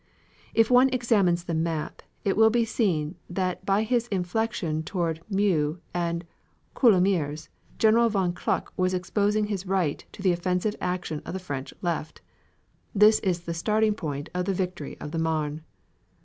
If one examines the map, it will be seen that by his inflection toward Meaux and Coulommiers General von Kluck was exposing his right to the offensive action of the French left. This is the starting point of the victory of the Marne.